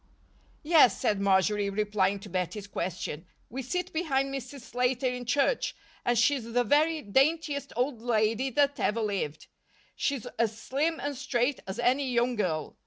"Yes," said Marjory, replying to Bettie's question, "we sit behind Mrs. Slater in church, and she's the very daintiest old lady that ever lived. She's as slim and straight as any young girl.